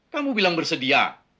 kamu bilang bersedia